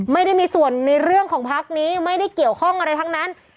ไม่ได้มีส่วนในเรื่องของพักนี้ไม่ได้เกี่ยวข้องอะไรทั้งนั้น